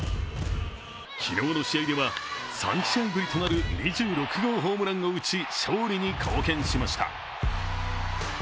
昨日の試合では３試合ぶりとなる２６号ホームランを打ち勝利に貢献しました。